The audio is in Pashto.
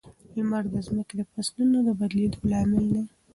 لمر د ځمکې د فصلونو د بدلېدو لامل دی.